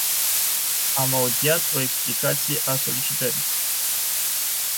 Am audiat o explicație a solicitării.